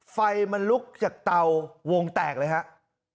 ไฟมันลุกจากเตาวงแตกเลยครับ